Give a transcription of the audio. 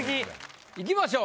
いきましょう。